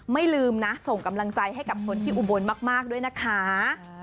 ลืมนะส่งกำลังใจให้กับคนที่อุบลมากด้วยนะคะ